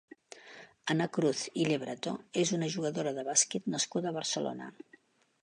Anna Cruz i Lebrato és una jugadora de bàsquet nascuda a Barcelona.